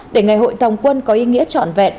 để ngày hội tòng quân có ý nghĩa trọn vẹn